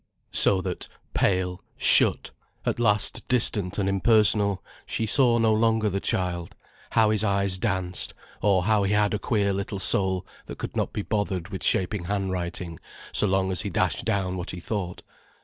So that, pale, shut, at last distant and impersonal, she saw no longer the child, how his eyes danced, or how he had a queer little soul that could not be bothered with shaping handwriting so long as he dashed down what he thought.